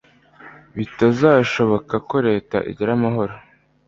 bitazashoboka ko leta igira amahoro